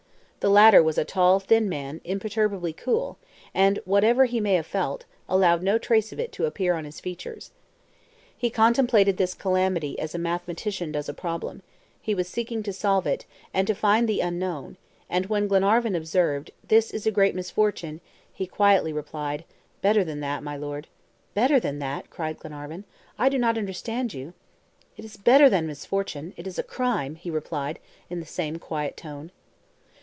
The latter was a tall, thin man, im perturbably cool, and, whatever he may have felt, allowed no trace of it to appear on his features. He contemplated this calamity as a mathematician does a problem; he was seeking to solve it, and to find the unknown; and when Glenarvan observed, "This is a great misfortune," he quietly replied, "Better than that, my Lord." "Better than that?" cried Glenarvan. "I do not understand you." "It is better than a misfortune, it is a crime!" he replied, in the same quiet tone.